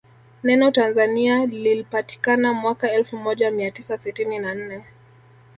Neno Tanzania lilpatikana mwaka elfu moja mia tisa sitini na nne